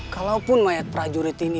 kalaupun mayat prajurit ini